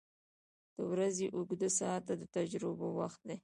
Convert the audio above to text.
• د ورځې اوږده ساعته د تجربو وخت دی.